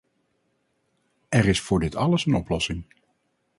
Er is voor dit alles een oplossing.